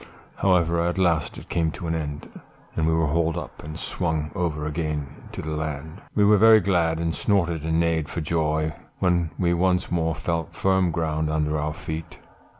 "However, at last it came to an end, and we were hauled up, and swung over again to the land; we were very glad, and snorted and neighed for joy, when we once more felt firm ground under our feet.